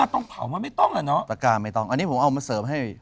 ต้องเผามันไม่ต้องอ่ะเนอะตะก้าไม่ต้องอันนี้ผมเอามาเสริมให้